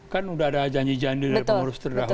kan udah ada janji janji dari pengurus terdahulu